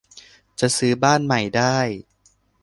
จะซื้อบ้านใหม่ให้